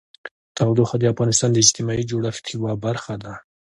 تودوخه د افغانستان د اجتماعي جوړښت یوه برخه ده.